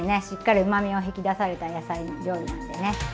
しっかりうまみを引き出された野菜料理なんでね